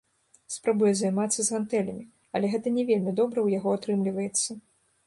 Спрабуе займацца з гантэлямі, але гэта не вельмі добра ў яго атрымліваецца.